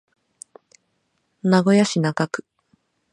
名古屋市中区